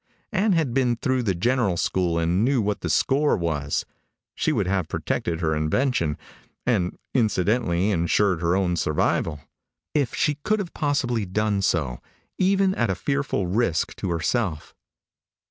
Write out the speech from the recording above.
Ann had been through the general school, and knew what the score was. She would have protected her invention and incidentally insured her own survival if she could have possibly done so, even at a fearful risk to herself.